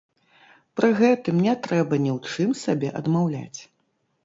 Пры гэтым не трэба ні ў чым сабе адмаўляць.